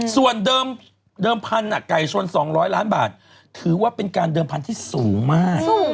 ส่วนเดิมพันธุ์ไก่ชน๒๐๐ล้านบาทถือว่าเป็นการเดิมพันธุ์ที่สูงมาก